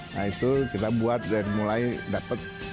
nah itu kita buat dari mulai dapat